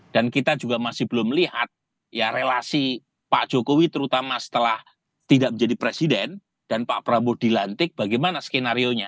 dan kita juga masih belum lihat ya relasi pak jokowi terutama setelah tidak menjadi presiden dan pak prabowo dilantik bagaimana skenario nya